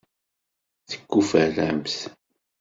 Tekuferramt?